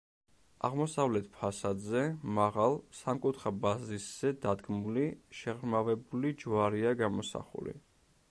აღმოსავლეთ ფასადზე, მაღალ, სამკუთხა ბაზისზე დადგმული, შეღრმავებული ჯვარია გამოსახული.